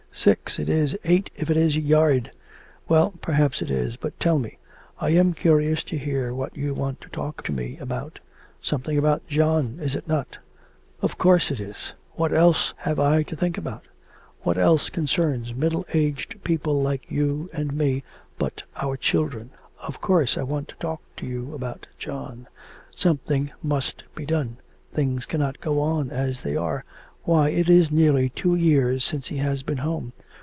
'Six! it is eight if it is a yard!' 'Well, perhaps it is; but tell me, I am curious to hear what you want to talk to me about.... Something about John, is it not?' 'Of course it is; what else have I to think about? what else concerns middle aged people like you and me but our children? Of course I want to talk to you about John. Something must be done; things cannot go on as they are. Why, it is nearly two years since he has been home.